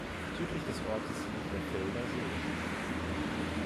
Südlich des Ortes liegt der Felder See.